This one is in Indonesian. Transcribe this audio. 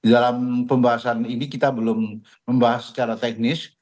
dalam pembahasan ini kita belum membahas secara teknis